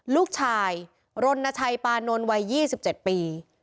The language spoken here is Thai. ลูกชายรณชัยปานนท์วัย๒๗ปี